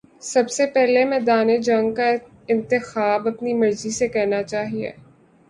سب سے پہلے ہمیں میدان جنگ کا انتخاب اپنی مرضی سے کرنا چاہیے۔